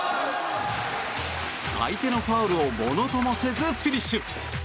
相手のファウルをものともせずフィニッシュ！